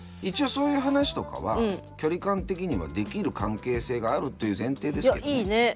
一応そういう話とかは距離感的にはできる関係性があるという前提ですけどね。